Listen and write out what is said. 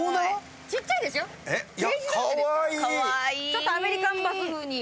ちょっとアメリカンバス風に。